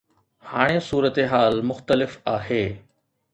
هاڻي صورتحال مختلف آهي.